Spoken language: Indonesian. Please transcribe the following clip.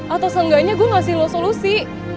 atau seenggaknya gue ngasih lo solusi